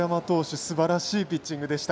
すばらしいピッチングでした。